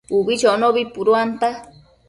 Ubi chonobi puduanta